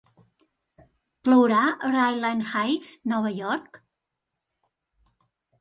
Plourà a Ryland Heights, Nova York?